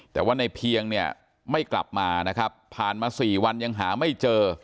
แต่ว่าในเพียงเนี่ยไม่กลับมานะครับผ่านมาสี่วันยังหาไม่เจอ